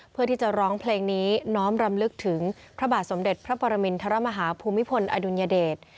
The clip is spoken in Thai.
เพื่อที่จะร้องเพลงนี้น้อมรำลึกถึงพระบาทสมเด็จพระปรมินทรมาฮาภูมิพลอดุลยเดช